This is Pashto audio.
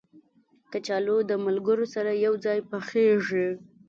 کچالو د ملګرو سره یو ځای پخېږي